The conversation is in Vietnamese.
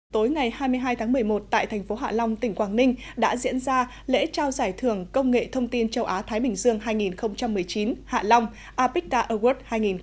tối ngày hai mươi hai tháng một mươi một tại thành phố hạ long tỉnh quảng ninh đã diễn ra lễ trao giải thưởng công nghệ thông tin châu á thái bình dương hai nghìn một mươi chín hạ long apecta award hai nghìn một mươi chín